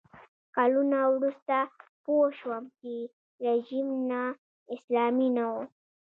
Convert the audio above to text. کلونه وروسته پوه شوم چې رژیم نا اسلامي نه و.